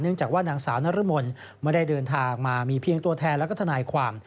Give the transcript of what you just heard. จากว่านางสาวนรมนไม่ได้เดินทางมามีเพียงตัวแทนแล้วก็ทนายความ